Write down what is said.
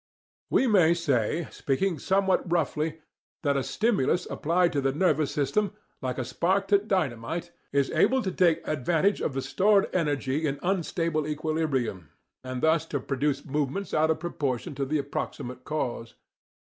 We may say, speaking somewhat roughly, that a stimulus applied to the nervous system, like a spark to dynamite, is able to take advantage of the stored energy in unstable equilibrium, and thus to produce movements out of proportion to the proximate cause.